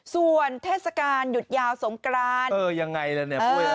ส่วนเทศกาลหยุดยาวสงกรานเออยังไงล่ะเนี่ย